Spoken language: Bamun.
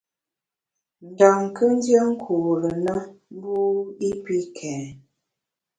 Ndam kù ndié nkure na mbu i pi kèn.